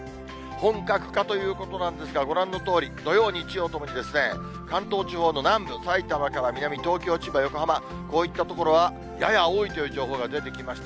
本格化ということなんですが、ご覧のとおり、土曜、日曜ともに関東地方の南部、さいたまから南、東京、千葉、横浜、こういった所は、やや多いという情報が出てきました。